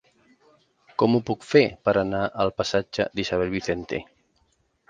Com ho puc fer per anar al passatge d'Isabel Vicente?